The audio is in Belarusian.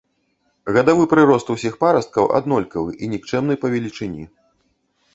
Гадавы прырост ўсіх парасткаў аднолькавы і нікчэмны па велічыні.